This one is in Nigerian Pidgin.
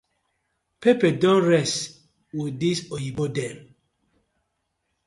Pepper don rest wit dis oyibo dem.